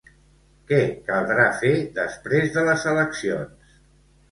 Què caldrà fer després de les eleccions?